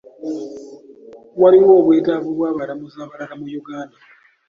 Waliwo obwetaavu bw'abalamuzi abalala mu Uganda.